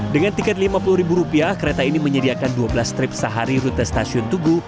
dengan tiket rp lima puluh kereta ini menyediakan dua belas trip sehari rute stasiun tugu